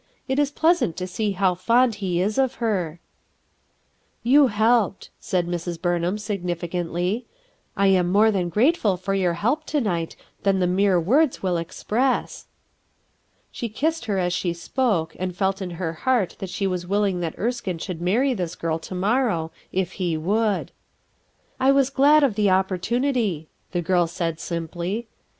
It is pleasant to see how fond he is of her/' "You helped," said Mrs. Burnham, signifi THE OLD CAT! cantly. "I am more grateful for your help to night than the mere words will express ." She kissed her as she spoke, and felt m h er heart that she was willing that Erskine should marry this girl to morrow, if he would. "I was glad of the opportunity," the girl said simply.